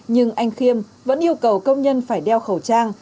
nhưng anh khiêm vẫn yêu cầu công nhân phải đeo khẩu trang